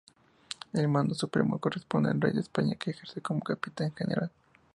El mando supremo corresponde al rey de España, que ejerce como capitán general.